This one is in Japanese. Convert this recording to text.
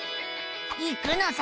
行くのさ！